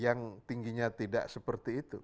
yang tingginya tidak seperti itu